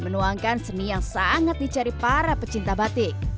menuangkan seni yang sangat dicari para pecinta batik